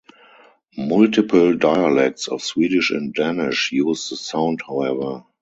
Multiple dialects of Swedish and Danish use the sound however.